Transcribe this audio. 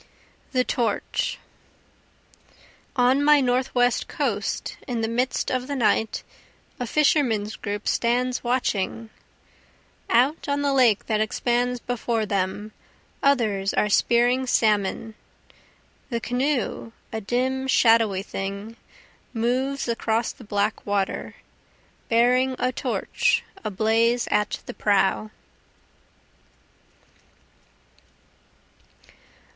The Torch On my Northwest coast in the midst of the night a fishermen's group stands watching, Out on the lake that expands before them, others are spearing salmon, The canoe, a dim shadowy thing, moves across the black water, Bearing a torch ablaze at the prow.